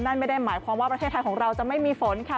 นั่นไม่ได้หมายความว่าประเทศไทยของเราจะไม่มีฝนค่ะ